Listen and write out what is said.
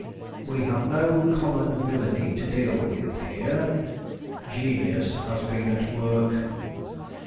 We have no common villainy to deal with here; genius has been at work.